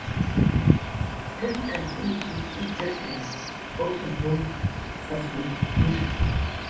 Chemical finishing in textiles also known as wet finishing.